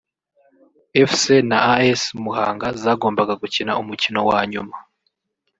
Fc na As Muhanga zagombaga gukina umukino wa nyuma